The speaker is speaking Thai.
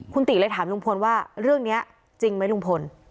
คุณติเลยถามลุงพลว่าเรื่องนี้จริงไหมลุงพล